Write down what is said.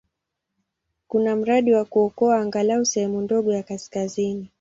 Kuna mradi wa kuokoa angalau sehemu ndogo ya kaskazini.